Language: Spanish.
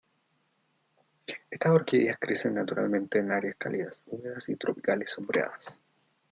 Estas orquídeas crecen naturalmente en áreas cálidas, húmedas y tropicales sombreadas.